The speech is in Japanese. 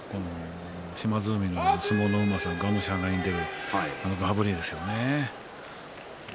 島津海の相撲のうまさがむしゃらに前に出るがぶりですよね。